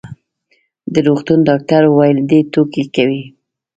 د روغتون ډاکټر وویل: دی ټوکې کوي.